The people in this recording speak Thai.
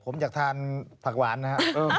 ผมอยากทานผักหวานฮะ